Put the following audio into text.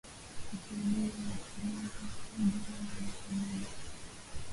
kusudio wakilambwa kwa goli moja kwa nunge